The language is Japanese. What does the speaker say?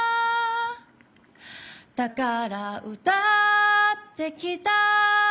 「だから歌ってきた」